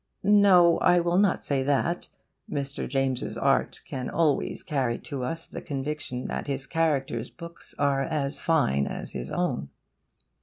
No, I will not say that. Mr. James's art can always carry to us the conviction that his characters' books are as fine as his own.